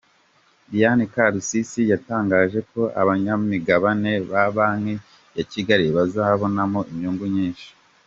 Diane Karusisi yatangaje ko abanyamigabane ba Banki ya Kigali bazabonamo inyungu nyinshi.